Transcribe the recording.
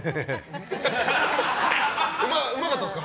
うまかったですか？